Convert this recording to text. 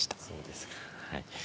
そうですか。